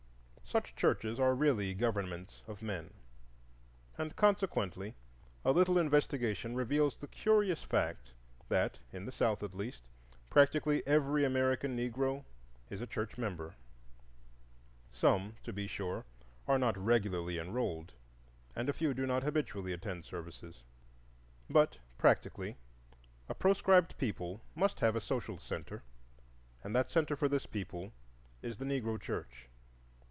Such churches are really governments of men, and consequently a little investigation reveals the curious fact that, in the South, at least, practically every American Negro is a church member. Some, to be sure, are not regularly enrolled, and a few do not habitually attend services; but, practically, a proscribed people must have a social centre, and that centre for this people is the Negro church.